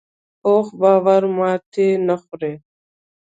پوخ باور ماتې نه خوري